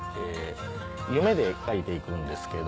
「夢」で書いていくんですけど。